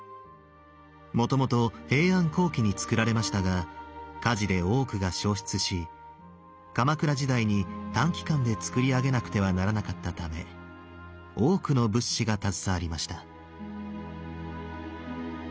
もともと平安後期に造られましたが火事で多くが焼失し鎌倉時代に短期間で造り上げなくてはならなかったため多くの仏師が携わりました。